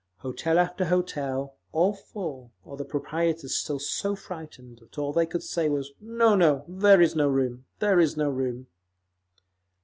Hotel after hotel, all full, or the proprietors still so frightened that all they could say was, "No, no, there is no room! There is no room!"